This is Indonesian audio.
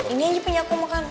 ini aja punya aku makan